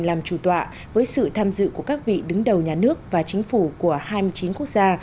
làm chủ tọa với sự tham dự của các vị đứng đầu nhà nước và chính phủ của hai mươi chín quốc gia